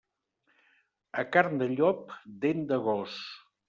A carn de llop, dent de gos.